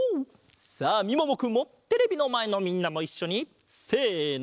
さあみももくんもテレビのまえのみんなもいっしょにせの！